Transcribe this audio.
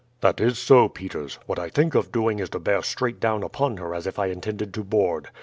"That is so, Peters. What I think of doing is to bear straight down upon her as if I intended to board.